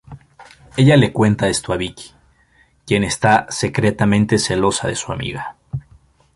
Ella le cuenta esto a Vicky, quien está secretamente celosa de su amiga.